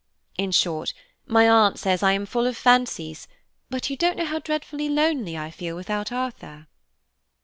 In short, my aunt says I am full of fancies; but you don't know how dreadfully lonely I feel without Arthur!"